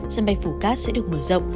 sân bay phủ cát sẽ được mở rộng